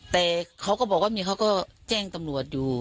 แต่เขาก็บอกว่าเมียเขาก็แจ้งตำรวจอยู่